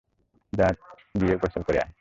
যা গিয়ে গোসল করে আয়।